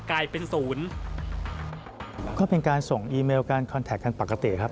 ก็เป็นการส่งอีเมลการคอนแทคกันปกติครับ